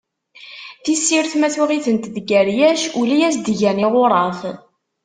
Tissirt, ma tuɣ-itent deg rryac, ula i as-d-gan iɣuraf.